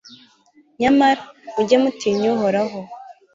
nyamara, mujye mutinya uhoraho